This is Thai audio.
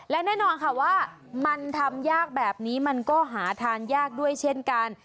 และแน่นอนค่ะว่ามันทำยากแบบนี้มันก็หาทานยากด้วยเช่นกัน